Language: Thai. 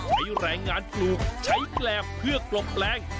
ใช้แรงงานปลูกใช้แกรบเพื่อปลบแปลง